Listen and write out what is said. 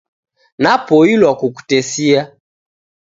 Napoilwa kukutesia